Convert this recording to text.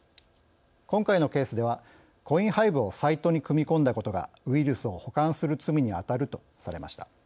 今回のケースではコインハイブをサイトに組み込んだことがウイルスを保管する罪にあたるとされました。